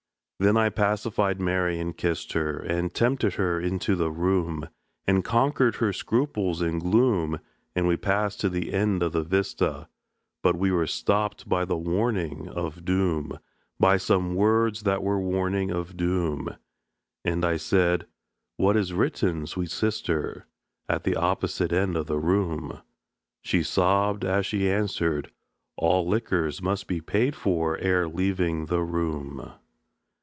Then I pacified Mary and kissed her, And tempted her into the room, And conquered her scruples and gloom; And we passed to the end of the vista, But were stopped by the warning of doom, By some words that were warning of doom. And I said, "What is written, sweet sister, At the opposite end of the room?" She sobbed, as she answered, "All liquors Must be paid for ere leaving the room."